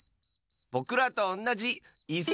ぼくらとおんなじいす！